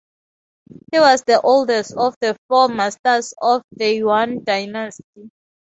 He was the oldest of the Four Masters of the Yuan Dynasty.